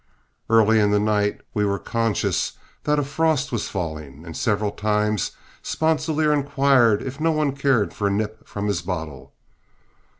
Early in the night we were conscious that a frost was falling, and several times Sponsilier inquired if no one cared for a nip from his bottle.